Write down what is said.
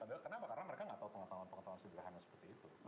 kenapa karena mereka nggak tahu pengetahuan pengetahuan sederhana seperti itu